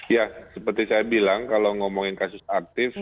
ya seperti saya bilang kalau ngomongin kasus aktif